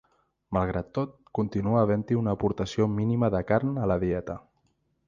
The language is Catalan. Malgrat tot, continua havent-hi una aportació mínima de carn a la dieta.